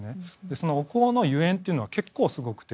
そのお香の油煙というのは結構すごくて。